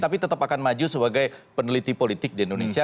tapi tetap akan maju sebagai peneliti politik di indonesia